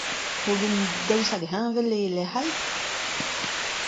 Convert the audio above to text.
Hogen daoust hag heñvel eo e lecʼh all ?